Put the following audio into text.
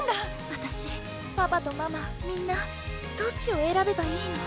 わたしパパとママみんなどっちをえらべばいいの？